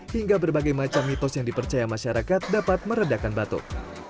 hingga berbagai macam mitos yang dipercaya masyarakat dapat meredakan batuk